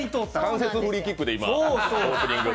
間接フリーキックで今、オープニングに。